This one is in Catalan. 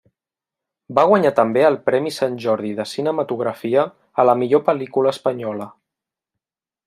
Va guanyar també el Premi Sant Jordi de Cinematografia a la millor pel·lícula espanyola.